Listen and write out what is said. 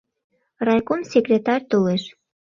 Райком секретарь толеш.